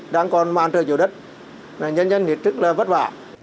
đang còn màn trời chiều đất nhân nhân hiệt trức là vất vả